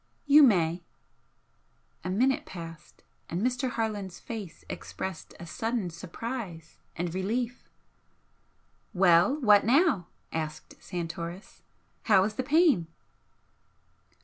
"You may." A minute passed, and Mr. Harland's face expressed a sudden surprise and relief. "Well! What now?" asked Santoris "How is the pain?"